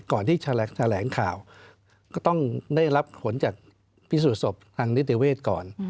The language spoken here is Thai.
ก่อนที่แถลงข่าวก็ต้องได้รับผลจากพิสูจน์ศพทางนิติเวศก่อน